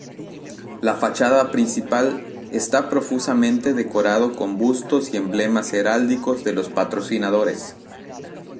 La fachada principal esta profusamente decorado con bustos y emblemas heráldicos de los patrocinadores.